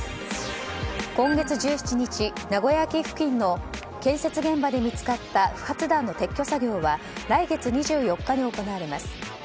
今月１７日、名古屋駅付近の建設現場で見つかった不発弾の撤去作業は来月２４日に行われます。